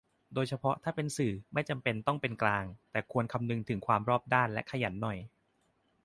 โดยเฉพาะถ้าเป็นสื่อ ที่ไม่จำเป็นต้องเป็นกลาง แต่ควรคำนึงถึงความรอบด้าน และขยันหน่อย